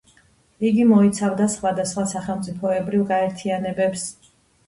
იგი მოიცავდა სხვადასხვა სახელმწიფოებრივ გაერთიანებებს.